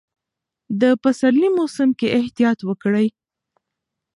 د پسرلي موسم کې احتیاط وکړئ.